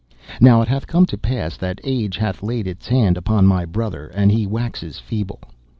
"Now it hath come to pass that age hath laid its hand upon my brother, and he waxes feeble.